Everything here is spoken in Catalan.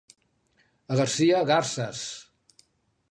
A Garcia, garses.